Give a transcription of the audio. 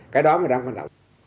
cái đó mới đáng quan tâm